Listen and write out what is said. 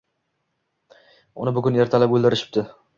Uni bugun ertalab o`ldirishibdi